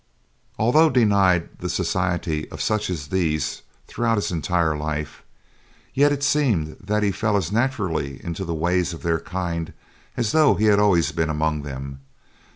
Although denied the society of such as these throughout his entire life, yet it seemed that he fell as naturally into the ways of their kind as though he had always been among them.